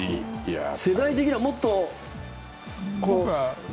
世代的にはもっと、こう。